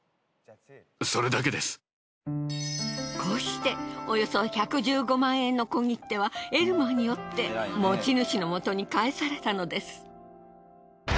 こうしておよそ１１５万円の小切手はエルマーによって持ち主のもとに返されたのです。